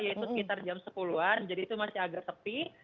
yaitu sekitar jam sepuluh an jadi itu masih agak sepi